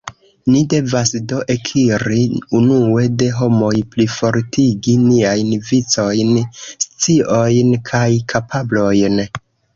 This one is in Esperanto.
Ni devas do ekiri unue de homoj, plifortigi niajn vicojn, sciojn kaj kapablojn.